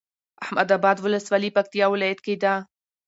احمداباد ولسوالي پکتيا ولايت کي ده